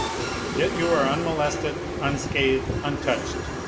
Yet you are unmolested, unscathed, untouched.